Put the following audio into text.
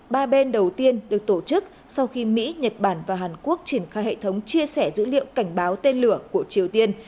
ba bên đầu tiên được tổ chức sau khi mỹ nhật bản và hàn quốc triển khai hệ thống chia sẻ dữ liệu cảnh báo tên lửa của triều tiên